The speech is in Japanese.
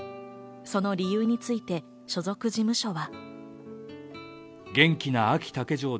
その理由について所属事務所は。